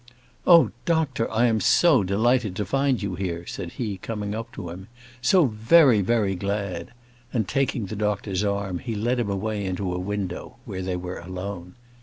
"Oh, doctor, I am so delighted to find you here," said he, coming up to him; "so very, very glad:" and, taking the doctor's arm, he led him away into a window, where they were alone.